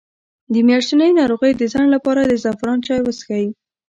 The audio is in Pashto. د میاشتنۍ ناروغۍ د ځنډ لپاره د زعفران چای وڅښئ